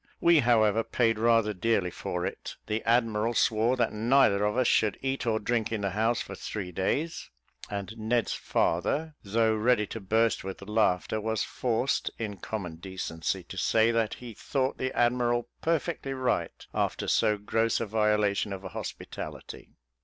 We however paid rather dearly for it. The admiral swore that neither of us should eat or drink in the house for three days; and Ned's father, though ready to burst with laughter, was forced in common decency to say that he thought the admiral perfectly right after so gross a violation of hospitality.